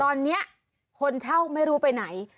ตอนนี้คนเช่าไม่รู้ไปไหน